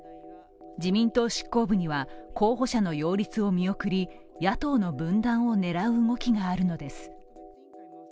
自民党執行部には、候補者の擁立を見送り、野党の分断を狙う動きがあるのです。